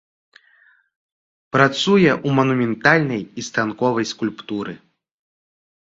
Працуе ў манументальнай і станковай скульптуры.